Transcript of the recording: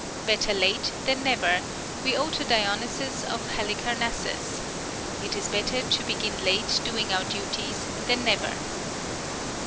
" Better late than never " we owe to Dionysius of Halicar nassus (ix. ii) :" It is better to begin late doing our duties, than never."